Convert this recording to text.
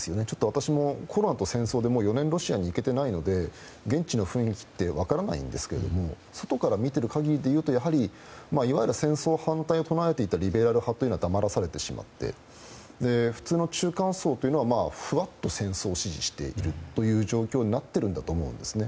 私もコロナと戦争で、もう４年ロシアに行けてないので現地の雰囲気って分からないんですけれども外から見ている限りで言うとやはり、いわゆる戦争反対を唱えていたリベラル派は黙らされてしまって普通の中間層というのがふわっと戦争を支持しているという状況になっているんだと思うんですね。